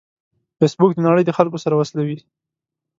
فېسبوک د نړۍ د خلکو سره وصلوي